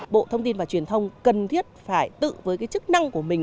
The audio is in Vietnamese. bộ thông tin và truyền thông cần thiết phải tự với cái chức năng của mình